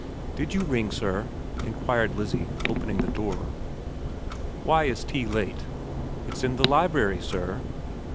' Did you ring, sir ?' inquired Lizzie, opening the door. ' Why is tea late ?'* It's in the library, sir.'